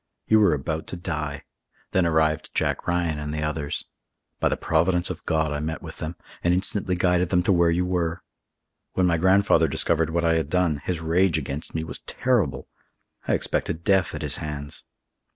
You were about to die. Then arrived Jack Ryan and the others. By the providence of God I met with them, and instantly guided them to where you were. When my grandfather discovered what I had done, his rage against me was terrible. I expected death at his hands.